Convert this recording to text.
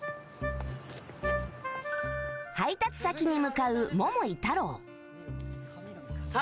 配達先に向かう桃井タロウ。